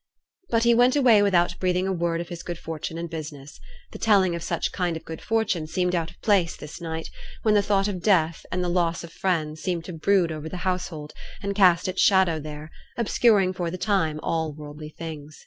But he went away without breathing a word of his good fortune in business. The telling of such kind of good fortune seemed out of place this night, when the thought of death and the loss of friends seemed to brood over the household, and cast its shadow there, obscuring for the time all worldly things.